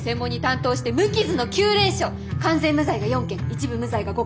完全無罪が４件一部無罪が５件。